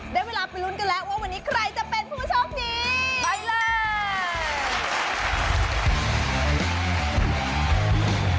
ได้เวลาไปลุ้นกันแล้วว่าวันนี้ใครจะเป็นผู้โชคดีไปเลย